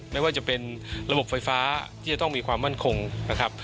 ไม่ว่าจะเป็นระบบไฟฟ้าที่จะต้องมีความมั่นคงนะครับ